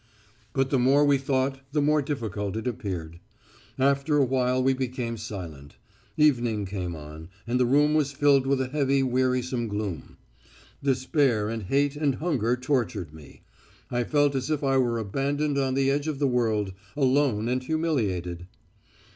"But the more we thought the more difficult it appeared. After a while we became silent. Evening came on, and the room was filled with a heavy wearisome gloom. Despair and hate and hunger tortured me. I felt as if I were abandoned on the edge of the world, alone and humiliated.